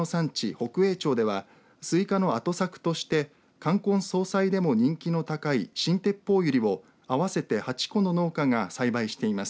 北栄町では、スイカの後作として冠婚葬祭でも人気の高いシンテッポウユリを合わせて８戸の農家が栽培しています。